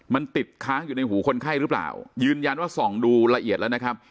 มันติดค้างอยู่ในหูคนไข้หรือเปล่ายืนยันว่าส่องดูละเอียดแล้วนะครับ